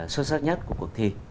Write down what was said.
xuất sắc nhất của cuộc thi